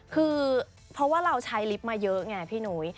คือเพราะว่าเราใช้ลิฟต์มาเยอะไงพี่หนุ้ย